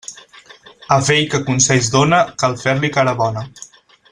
A vell que consells dóna, cal fer-li cara bona.